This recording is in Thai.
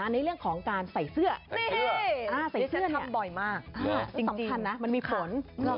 ในเรื่องของการใส่เสื้อใส่เสื้อทำบ่อยมากสำคัญนะมันมีผล